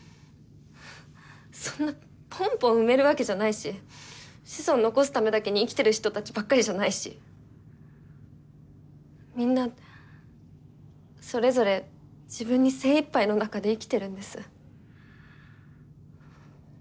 そんなポンポン産めるわけじゃないし子孫残すためだけに生きてる人たちばっかりじゃないしみんなそれぞれ自分に精いっぱいの中で生きてるんです。